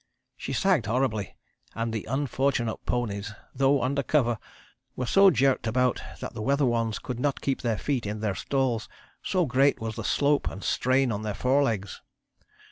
She sagged horribly and the unfortunate ponies, though under cover, were so jerked about that the weather ones could not keep their feet in their stalls, so great was the slope and strain on their forelegs.